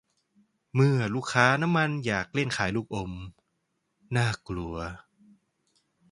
เมื่อพ่อค้าน้ำมันอยากเล่นขายลูกอม น่ากลัว